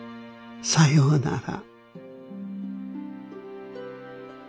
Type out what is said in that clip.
さようなら。